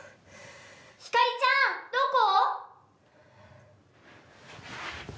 ひかりちゃんどこ？